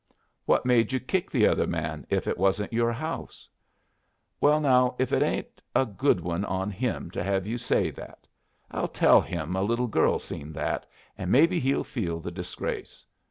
"What made you kick the other man if it wasn't your house?" "Well, now, if it ain't a good one on him to hev you see that! I'll tell him a little girl seen that, and maybe he'll feel the disgrace.